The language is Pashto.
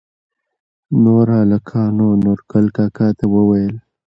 نوور هلکانو نورګل کاکا ته وويل